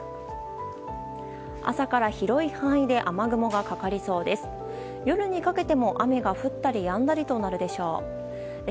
朝から、広い範囲で雨雲がかかりそうです。